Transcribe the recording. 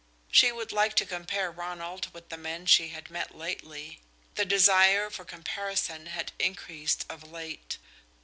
She would like to compare Ronald with the men she had met lately. The desire for comparison had increased of late.